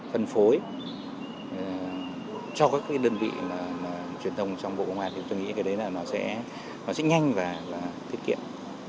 phân phối cho các đơn vị truyền thông trong bộ công an thì tôi nghĩ cái đấy là nó sẽ nhanh và thiết kiện